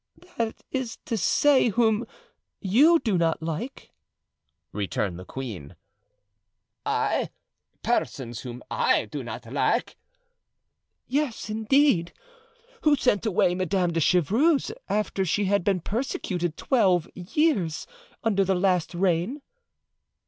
"That is to say, whom you do not like," returned the queen. "I! persons whom I do not like!" "Yes, indeed. Who sent away Madame de Chevreuse after she had been persecuted twelve years under the last reign?"